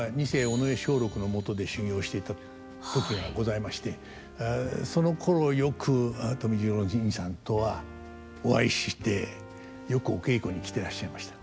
尾上松緑のもとで修業していた時がございましてそのころよく富十郎にいさんとはお会いしてよくお稽古に来てらっしゃいました。